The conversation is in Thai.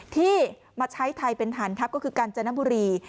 ที่มาใช้ไทยเป็นฐานทัพก็คือกาญจนบุรี